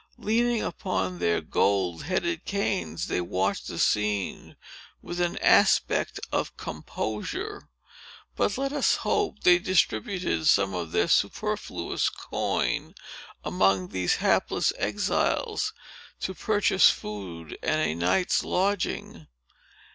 Leaning upon their gold headed canes, they watched the scene with an aspect of composure. But, let us hope, they distributed some of their superfluous coin among these hapless exiles, to purchase food and a night's lodging.